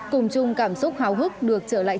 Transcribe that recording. cùng chung cảm xúc hào hức được trở lại